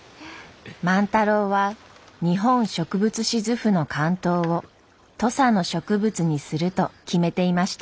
万太郎は「日本植物志図譜」の巻頭を土佐の植物にすると決めていました。